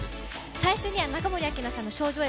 最初は中森明菜さんの少女Ａ